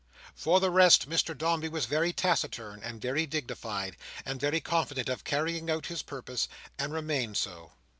For the rest, Mr Dombey was very taciturn, and very dignified, and very confident of carrying out his purpose; and remained so.